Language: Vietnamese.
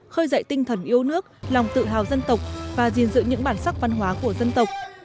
khơi dậy tinh thần yêu nước lòng tự hào dân tộc và gìn giữ những bản sắc văn hóa của dân tộc